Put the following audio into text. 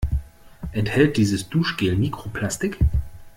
Enthält dieses Duschgel Mikroplastik?